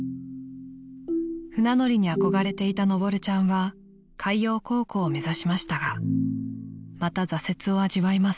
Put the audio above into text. ［船乗りに憧れていたのぼるちゃんは海洋高校を目指しましたがまた挫折を味わいます］